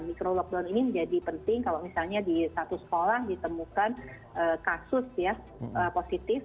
mikro lockdown ini menjadi penting kalau misalnya di satu sekolah ditemukan kasus ya positif